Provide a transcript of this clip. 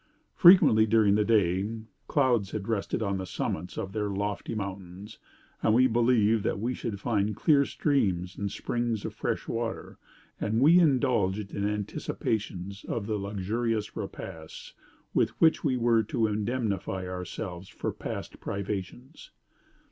Frequently, during the day, clouds had rested on the summits of their lofty mountains, and we believed that we should find clear streams and springs of fresh water; and we indulged in anticipations of the luxurious repasts with which we were to indemnify ourselves for past privations.